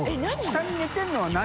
下に寝てるのは何？